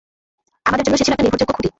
আমাদের জন্য সে ছিল একটা নির্ভরযোগ্য খুঁটি।